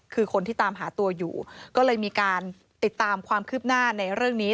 คือคนที่ตามหาตัวอยู่ก็เลยมีการติดตามความคืบหน้าในเรื่องนี้